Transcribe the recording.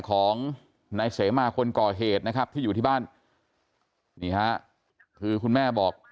ของนายเสมาคนก่อเหตุนะครับที่อยู่ที่บ้านนี่ฮะคือคุณแม่บอก